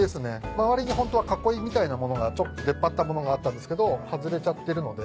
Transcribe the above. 周りにホントは囲いみたいな物がちょっと出っ張った物があったんですけど外れちゃってるので。